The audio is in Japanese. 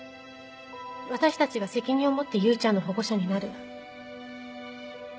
私たちが責任を持って唯ちゃんの保護者になる。